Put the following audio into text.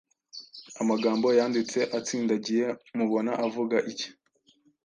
Amagambo yanditse atsindagiye mubona avuga iki?